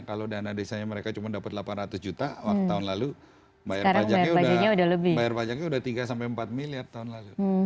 kalau dana desanya mereka cuma dapat delapan ratus juta waktu tahun lalu bayar pajaknya udah bayar pajaknya udah tiga sampai empat miliar tahun lalu